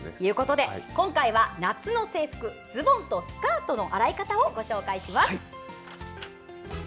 今回は夏の制服ズボンとスカートの洗い方をご紹介します。